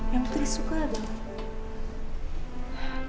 yang putri suka banget